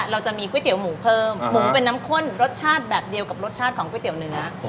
เราจะมีก๋วยเตี๋ยหมูเพิ่มหมูเป็นน้ำข้นรสชาติแบบเดียวกับรสชาติของก๋วยเตี๋ยวเนื้อ